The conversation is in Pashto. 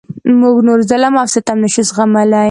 موږ نور ظلم او ستم نشو زغملای.